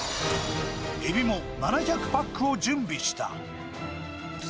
エビも７００パックを準備した。